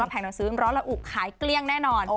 แผงหนังสือร้อนละอุขายเกลี้ยงแน่นอน